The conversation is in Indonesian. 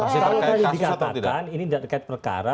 kalau tadi dikatakan ini tidak terkait perkara